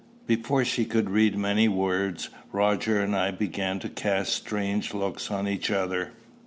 Before she had read many words, Roger and I began to cast strange looks on each other.